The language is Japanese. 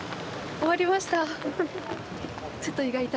終わりました。